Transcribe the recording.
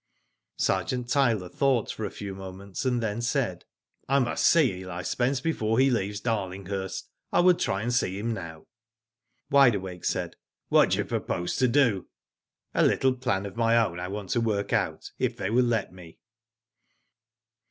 Sergeant Tyler thought for a few moments, and then said : *'I must see Eli Spence before he leaves Dar linghurst. I will try and see him now." Wide Awake said :^* What do you propose to do?" "A little plan of my own I want to work out, if they will let me."